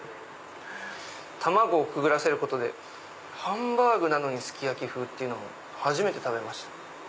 卵くぐらせることでハンバーグなのにすき焼き風っていうのも初めて食べました。